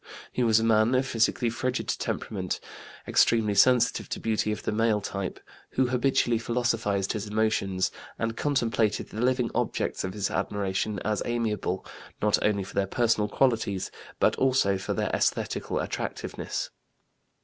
He was a man of physically frigid temperament, extremely sensitive to beauty of the male type, who habitually philosophized his emotions, and contemplated the living objects of his admiration as amiable, not only for their personal qualities, but also for their esthetical attractiveness.